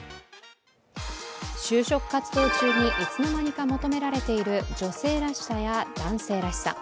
就職活動中にいつの間にか求められている女性らしさや男性らしさ。